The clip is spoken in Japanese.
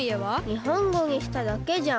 にほんごにしただけじゃん。